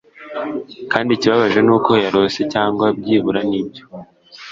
kandi ikibabaje nuko yarose, cyangwa byibura nibyo